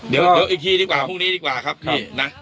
เดี๋ยวอีกทีดีกว่าพรุ่งนี้ดีกว่าครับพี่นะ